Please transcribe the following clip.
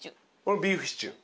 俺ビーフシチュー。